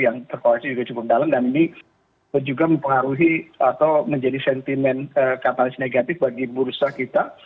yang terkoreksi juga cukup dalam dan ini juga mempengaruhi atau menjadi sentimen katalis negatif bagi bursa kita